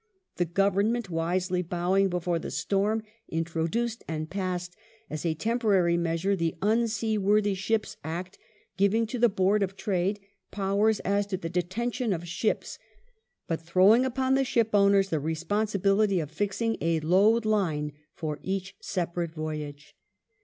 The Government, wisely bowing before the storm, introduced and passed as a temporary measure the Unseaworthy Ships Act giving to the Board of Trade powere as to the detention of ships, but throwing upon the shipownei*s the responsibility of fixing a loadline for each separate voyage.